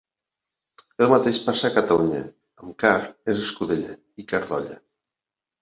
El mateix passa a Catalunya: amb carn, és escudella i carn d'olla.